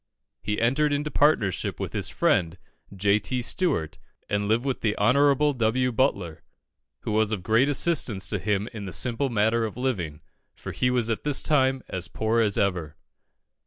He entered into partnership with his friend, J. T. Stewart, and lived with the Hon. W. Butler, who was of great assistance to him in the simple matter of living, for he was at this time as poor as ever.